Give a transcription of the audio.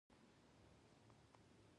د ټوخي دوا راکه.